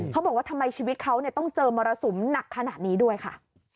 ทำไมชีวิตเขาต้องเจอมรสุมหนักขนาดนี้ด้วยค่ะ